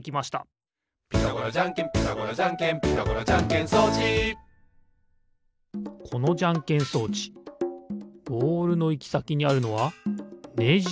「ピタゴラじゃんけんピタゴラじゃんけん」「ピタゴラじゃんけん装置」このじゃんけん装置ボールのいきさきにあるのはネジですかね。